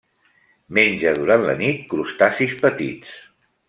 Menja durant la nit crustacis petits.